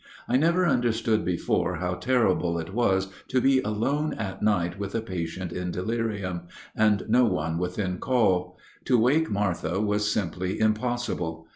I never understood before how terrible it was to be alone at night with a patient in delirium, and no one within call. To wake Martha was simply impossible.